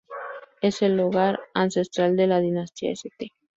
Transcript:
Es el hogar ancestral de la dinastía St.